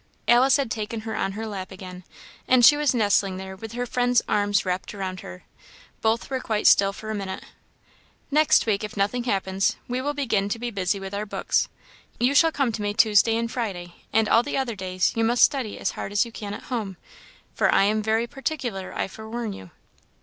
Alice had taken her on her lap again, and she was nestling there with her friend's arms wrapped around her. Both were quite still for a minute. "Next week, if nothing happens, we will begin to be busy with our books. You shall come to me Tuesday and Friday; and all the other days you must study as hard as you can at home; for I am very particular, I forewarn you."